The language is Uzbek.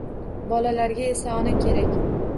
Bolalarga esa ona kerak